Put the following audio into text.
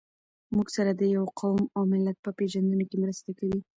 موږ سره د يوه قوم او ملت په پېژنده کې مرسته کوي.